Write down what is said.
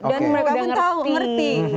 dan mereka pun tahu ngerti